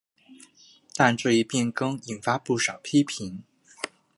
但这一变更引发不少批评。